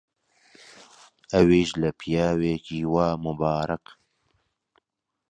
ئەویش لە پیاوێکی وا ممبارەک؟!